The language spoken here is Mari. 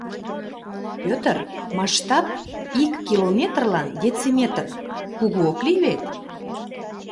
Пӧтыр, масштаб — ик километрлан дециметр, кугу ок лий вет?